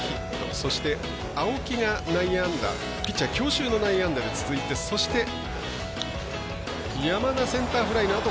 そして、青木がピッチャー強襲の内野安打が続いてそして山田センターフライのあと